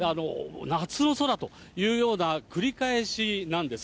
夏の空というような、繰り返しなんです。